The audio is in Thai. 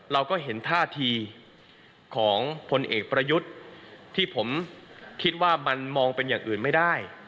เราก็เห็นท่าทีของพลเอกประยุทธ์ที่ผมคิดว่ามันมองเป็นอย่างอื่นไม่ได้